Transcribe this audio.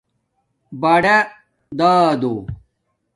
بڑادادو